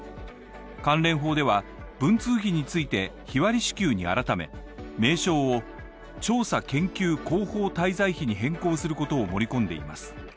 関連法では、文通費について、日割り支給に改め、名称を調査研究広報滞在費に変更することを盛り込んでいます。